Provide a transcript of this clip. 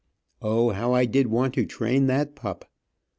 O, how I did want to train that pup.